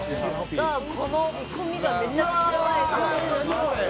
「この煮込みがめちゃくちゃうまいんですよ」